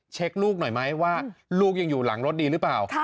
ลูกหน่อยไหมว่าลูกยังอยู่หลังรถดีหรือเปล่า